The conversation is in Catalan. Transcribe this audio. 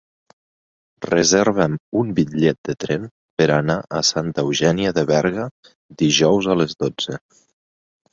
Reserva'm un bitllet de tren per anar a Santa Eugènia de Berga dijous a les dotze.